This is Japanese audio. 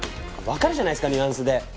わかるじゃないですかニュアンスで。